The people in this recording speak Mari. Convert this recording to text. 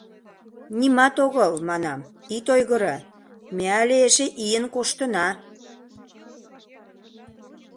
— Нимат огыл, — манам, — ит ойгыро, ме але эше ийын коштына.